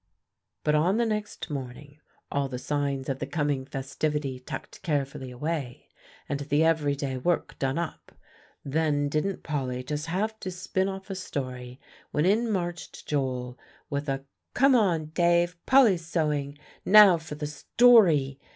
] But on the next morning, all the signs of the coming festivity tucked carefully away, and the every day work done up, then didn't Polly just have to spin off a story when in marched Joel with a "Come on, Dave, Polly's sewing; now for the story!"